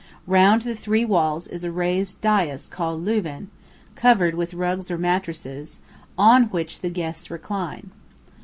Round the three walls is a raised daīs called "lewan," covered with rugs or mattresses, on which the guests recline.